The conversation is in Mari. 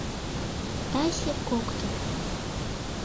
Тасе — коктын